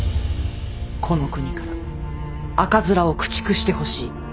この国から赤面を駆逐してほしい。